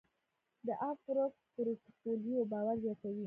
د افورک پورټفولیو باور زیاتوي.